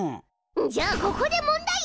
じゃあここで問題！